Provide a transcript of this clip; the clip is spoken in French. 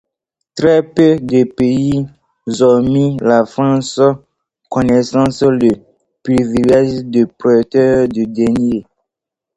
Très peu de pays hormis la France connaissent le privilège de prêteur de deniers.